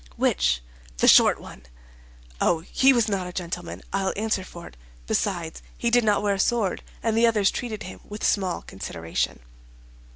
"Which?" "The short one." "Oh, he was not a gentleman, I'll answer for it; besides, he did not wear a sword, and the others treated him with small consideration."